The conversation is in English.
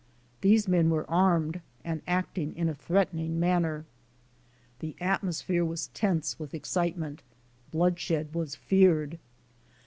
These men were armed and acting in a threatening manner. The atmosphere was tense with excitement. Bloodshed was feared.